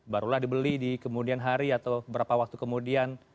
barulah dibeli di kemudian hari atau beberapa waktu kemudian